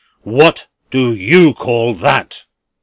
What do you call that?"